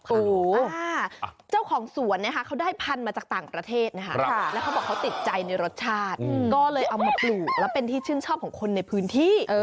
แล้วเขาบอกเขาติดใจในรสชาติก็เลยเอามาปลูกแล้วเป็นที่ชื่นชอบของคนในพื้นที่